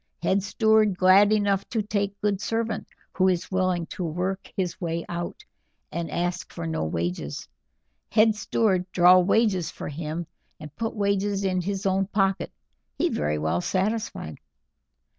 Head steward glad enough to take good servant who is willing to work his way out, and ask for no wages. Head steward draw wages for him, and put wages in his own pocket. He very well satisfied."